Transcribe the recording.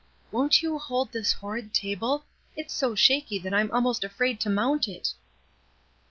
Won't you hold this horrid table? It is so shaky that I'm almost afraid to mount it."